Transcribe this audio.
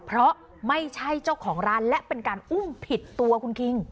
เพราะไม่ใช่เจ้าของร้านและเป็นการอุ้มผิดตัวคุณคิง